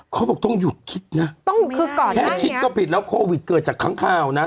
เขาบอกต้องหยุดคิดนะแค่คิดก็ปิดแล้วโควิดเกิดจากครั้งคาวนะ